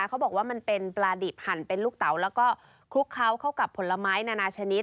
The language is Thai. เขาบอกว่ามันเป็นปลาดิบหั่นเป็นลูกเต๋าแล้วก็คลุกเคล้าเข้ากับผลไม้นานาชนิด